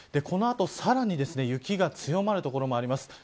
この後、さらに雪が強まる所があります。